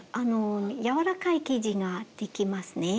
柔らかい生地ができますね。